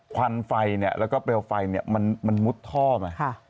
ควันไฟแล้วก็เปลวไฟมันมุดท่อมา